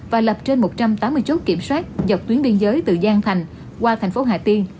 và lập trên một trăm tám mươi chốt kiểm soát dọc tuyến biên giới từ giang thành qua thành phố hà tiên